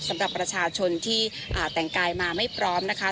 สำหรับประชาชนที่แต่งกายมาไม่พร้อมนะคะ